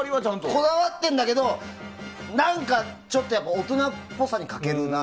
こだわってんだけど何か、ちょっと大人っぽさに欠けるな。